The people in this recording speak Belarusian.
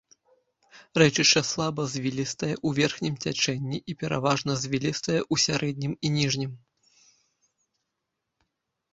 Рэчышча слаба звілістае ў верхнім цячэнні і пераважна звілістае ў сярэднім і ніжнім.